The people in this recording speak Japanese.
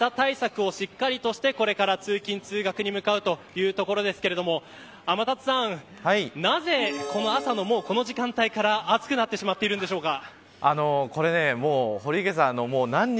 皆さん暑さ対策をしっかりとしてこれから通勤、通学に向かうというところですけれども天達さん、なぜ朝のこの時間帯から暑くなってしまっているんでしょうか。